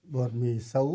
bột mì xấu